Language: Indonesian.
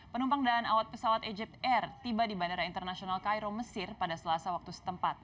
penumpang dan awak pesawat egypt air tiba di bandara internasional cairo mesir pada selasa waktu setempat